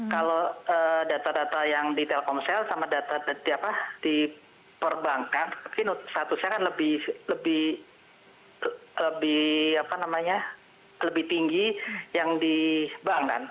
kalau data data yang di telkomsel sama data di perbankan mungkin statusnya kan lebih tinggi yang di bank kan